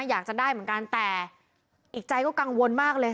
อยากจะได้เหมือนกันแต่อีกใจก็กังวลมากเลย